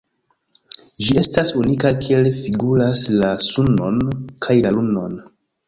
Ĝi estas unika kiel figuras la Sunon kaj la Lunon.